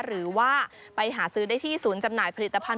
หรือว่าไปหาซื้อได้ที่ศูนย์จำหน่ายผลิตภัณฑ